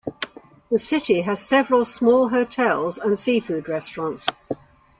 The city has several small hotels and seafood restaurants.